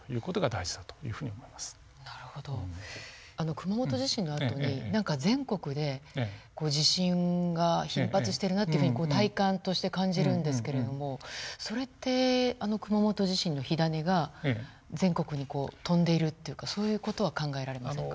熊本地震のあとに何か全国で地震が頻発してるなというふうに体感として感じるんですけれどもそれって熊本地震の火種が全国に飛んでいるっていうかそういう事は考えられませんか？